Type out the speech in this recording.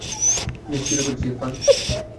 Gas ছড়িয়ে পড়েছে, ইরফান।